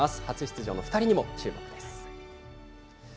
初出場の２人にも注目です。